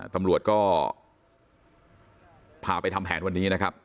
ตำรวจก็พาไปทำแผนวันนี้นะครับ